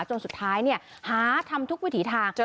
จนสุดท้ายหาทำทุกวิถีทาง